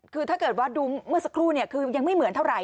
คือถ้าเกิดว่าดูเมื่อสักครู่คือยังไม่เหมือนเท่าไห